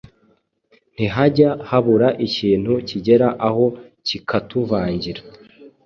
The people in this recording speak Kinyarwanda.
ntihajya habura ikintu kigera aho kikatuvangira.